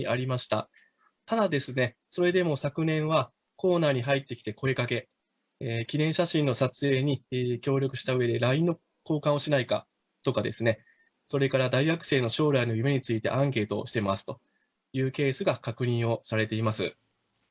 ただ、それでも昨年は校内に入ってきて声かけ、記念写真の撮影に協力したうえで、ＬＩＮＥの交換をしないかとかですね、それから大学生の将来の夢について、アンケートをしてますというケースが確認をされています。